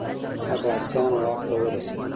عباسیان واک ته ورسېدل